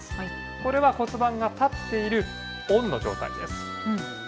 これは、骨盤が立っているオンの状態です。